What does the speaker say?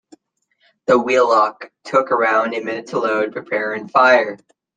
The wheellock took around a minute to load, prepare and fire.